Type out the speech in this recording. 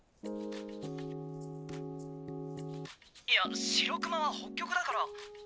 「いやシロクマは北極だから！」